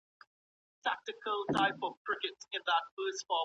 ولي ملي سوداګر ساختماني مواد له ایران څخه واردوي؟